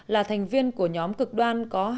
là thành viên của nhóm cực đoan